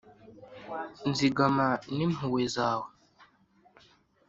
nzigama n’impuhwe zawe